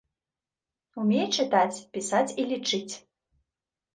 Умее чытаць, пісаць і лічыць.